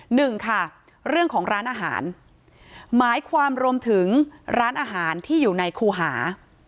หนึ่งค่ะเรื่องของร้านอาหารหมายความรวมถึงร้านอาหารที่อยู่ในคูหา